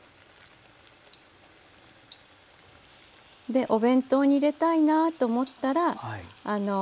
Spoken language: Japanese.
でお弁当に入れたいなと思ったら。